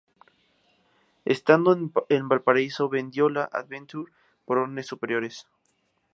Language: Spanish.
Estando en Valparaíso vendió la "Adventure" por órdenes superiores.